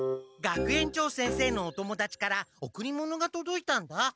学園長先生のお友だちからおくり物がとどいたんだ。